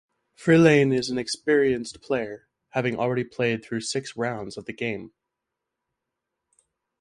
Frelaine is an experienced player, having already played through six rounds of the game.